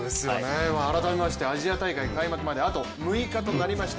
改めましてアジア大会開幕まであと６日となりました。